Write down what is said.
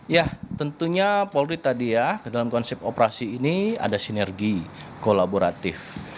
ya tentunya polri tadi ya dalam konsep operasi ini ada sinergi kolaboratif